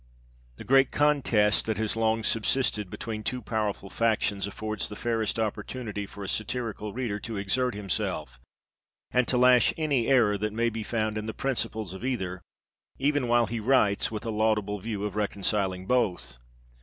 The great contest that has long subsisted between two powerful factions, affords the fairest opportunity for a satyrical reader to exert himself, and to lash any error that may be found in the principles of either, even while he writes with a laudable view of reconciling both.